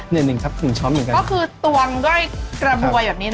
หนึ่งครับหนึ่งช้อนเหมือนกันก็คือตวงด้วยกระบวยแบบนี้นะ